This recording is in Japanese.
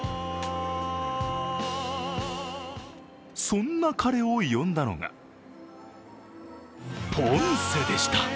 そんな彼を呼んだのがポンセでした。